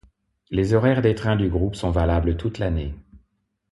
Les horaires des trains du groupe sont valables toute l'année.